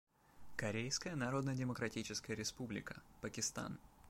Корейская Народно-Демократическая Республика, Пакистан.